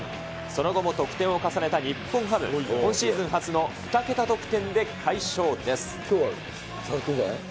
その後も得点を重ねた日本ハム、今シーズン初の２桁得点で快勝です。